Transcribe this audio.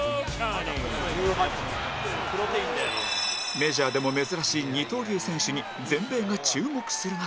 メジャーでも珍しい二刀流選手に全米が注目する中